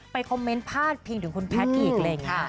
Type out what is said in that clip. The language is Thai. ไปคอมเมนต์พลาดเพียงถึงคุณแพทย์อีก